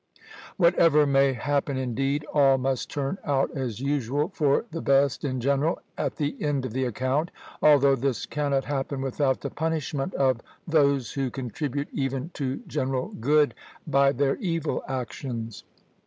Whatever may happen indeed, all must turn out as usual for the best in general, at the end of the account, although this cannot happen without the punishment of those who contribute even to general good by their evil actions."